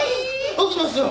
起きてますよ！